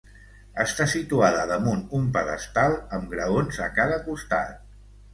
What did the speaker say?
Està situada damunt un pedestal amb graons a cada costat.